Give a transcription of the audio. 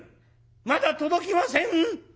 まだ届きません？